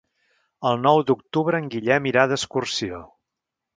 El nou d'octubre en Guillem irà d'excursió.